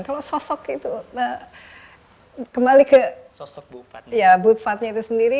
kalau sosok itu kembali ke butfatnya itu sendiri